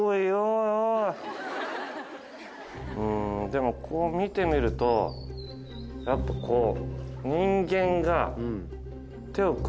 でもこう見てみるとやっぱこう。